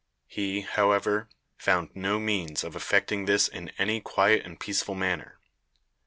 He, however, found no means of effecting this in any quiet and peaceful manner.